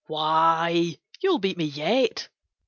Why! you will beat me yet."